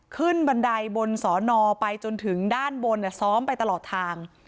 บันไดบนสอนอไปจนถึงด้านบนซ้อมไปตลอดทาง